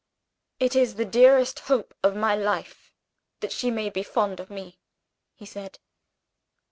"It is the dearest hope of my life that she may be fond of me," he said.